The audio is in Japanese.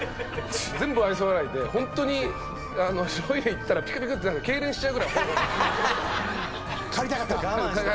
全部愛想笑いでホントにトイレ行ったらピクピクってけいれんしちゃうぐらい。